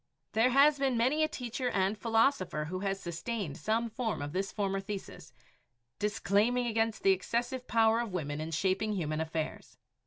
There has been many a teacher and philosopher who has sustained some form of this former thesis, disclaiming against the excessive power of women in shaping human affairs.